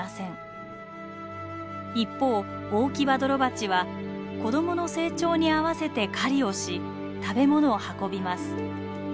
一方オオキバドロバチは子供の成長に合わせて狩りをし食べ物を運びます。